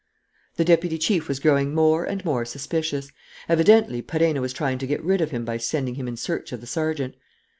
The deputy chief was growing more and more suspicious. Evidently Perenna was trying to get rid of him by sending him in search of the sergeant.